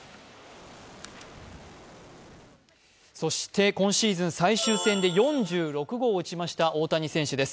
そして今シーズン最終戦で４６号を打ちました大谷選手です。